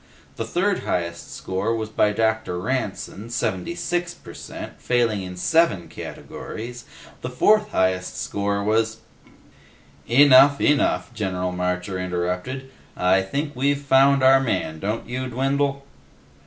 The third highest score was by Dr. Ranson, seventy six per cent, failing in seven categories. The fourth highest score was " "Enough. Enough," General Marcher interrupted. "I think we've found our man, don't you, Dwindle?"